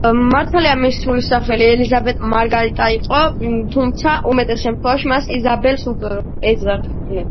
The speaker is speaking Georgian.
მართალია მისი სრული სახელი ელიზაბეტ მარგარიტა იყო, თუმცა უმეტეს შემთხვევაში მას იზაბელს ეძახდნენ.